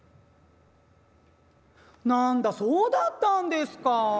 「なんだそうだったんですか。